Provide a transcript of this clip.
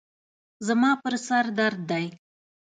زما پر سر درد دی.